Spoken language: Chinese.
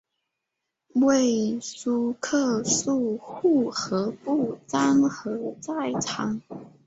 为苏克素护河部沾河寨长。